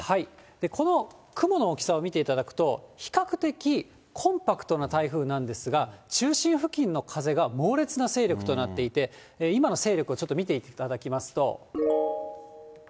この雲の大きさを見ていただくと、比較的コンパクトな台風なんですが、中心付近の風が猛烈な勢力となっていて、今の勢力をちょっと見ていただきますと。